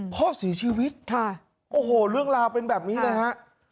พ่อศรีชีวิตโอ้โหเรื่องราวเป็นแบบนี้นะฮะ